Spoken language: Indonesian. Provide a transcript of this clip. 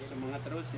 semangat terus ya